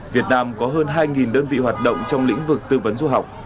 việt nam có hơn hai đơn vị hoạt động trong lĩnh vực tư vấn du học